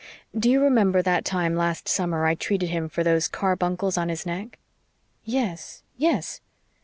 Do you remember that time last summer I treated him for those carbuncles on his neck?" "Yes yes."